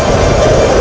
itu udah gila